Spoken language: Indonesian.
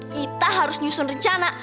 kita harus nyusun rencana